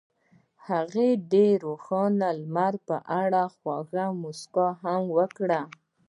هغې د روښانه لمر په اړه خوږه موسکا هم وکړه.